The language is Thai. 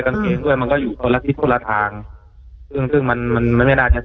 กางเกงด้วยมันก็อยู่คนละทิศคนละทางซึ่งซึ่งมันมันไม่ไม่น่าจะ